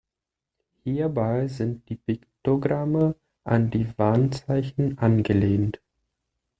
Hierbei sind die Piktogramme an die Warnzeichen angelehnt.